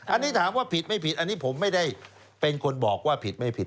อันนี้ถามว่าผิดไม่ผิดอันนี้ผมไม่ได้เป็นคนบอกว่าผิดไม่ผิด